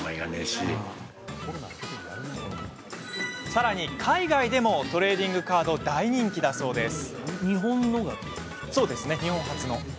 さらに海外でもトレーディングカードは大人気だそうです。